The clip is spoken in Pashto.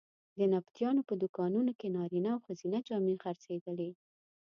د نبطیانو په دوکانونو کې نارینه او ښځینه جامې خرڅېدلې.